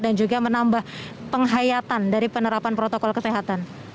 dan juga menambah penghayatan dari penerapan protokol kesehatan